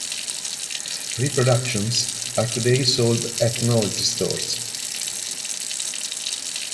Reproductions are today sold at novelty stores.